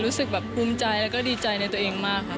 รู้สึกแบบภูมิใจแล้วก็ดีใจในตัวเองมากครับ